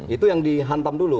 itu yang dihantam dulu